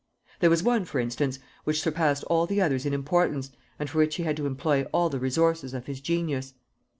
There was one, for instance, which surpassed all the others in importance, and for which he had to employ all the resources of his genius.